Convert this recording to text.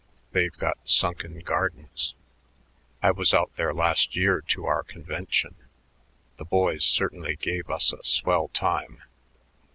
They've got sunken gardens. I was out there last year to our convention. The boys certainly gave us a swell time."